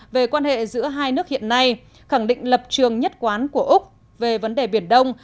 về quan hệ giữa hai nước hiện nay khẳng định lập trường nhất quán của úc về vấn đề biển đông